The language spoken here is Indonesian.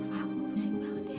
aku pusing banget ya